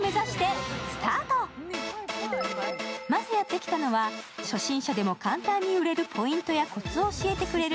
まずやってきたのは、初心者でも簡単に売れるポイントやこつを教えてくれる